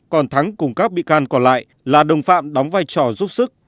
còn thắng cùng các bị can còn lại là đồng phạm đóng vai trò giúp sức